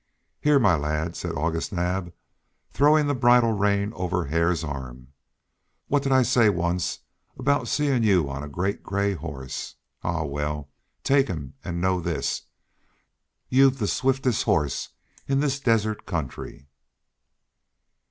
"Here, my lad," said August Naab, throwing the bridle rein over Hare's arm. "What did I say once about seeing you on a great gray horse? Ah! Well, take him and know this: you've the swiftest horse in this desert country."